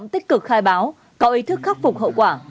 tích cực khai báo có ý thức khắc phục hậu quả